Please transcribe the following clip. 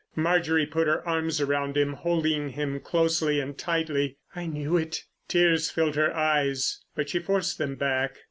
Marjorie put her arms around him, holding him closely and tightly. "I knew it." Tears filled her eyes, but she forced them back.